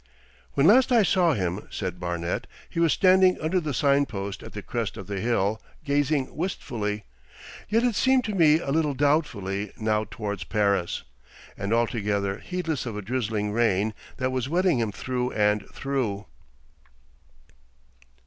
'When last I saw him,' said Barnet, 'he was standing under the signpost at the crest of the hill, gazing wistfully, yet it seemed to me a little doubtfully, now towards Paris, and altogether heedless of a drizzling rain that was wetting him through and through....